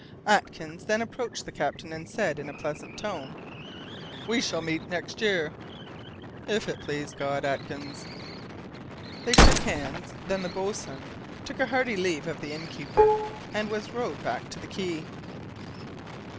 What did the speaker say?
Atkins then approached the captain and said in a pleasant tone, "We shall meet next year!" "If it please God, Atkins." They shook hands. Then the boatswain took a hearty leave of the innkeeper, and was rowed back to the quay.